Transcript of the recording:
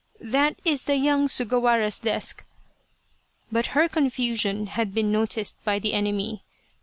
" That is the young Sugawara's desk !" But her confusion had been noticed by the enemy.